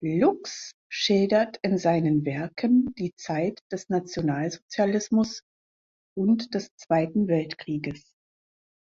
Lucks schildert in seinen Werken die Zeit des Nationalsozialismus und des Zweiten Weltkrieges.